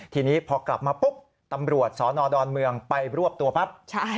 ทีนี้พอกลับมาปุ๊บตำรวจสนดอนเมืองไปรวบตัวปั๊บ